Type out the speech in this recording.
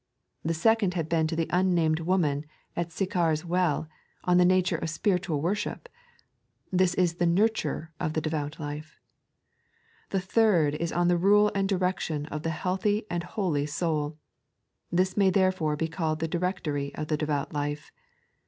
The second had been to the unnamed woman at Sychar's well, on the nature of spiritual worship — this is the nurture of the devout life. The third is on the rule and direction of the healthy and holy soul — this may there fore be called the Directory of the Devout Life.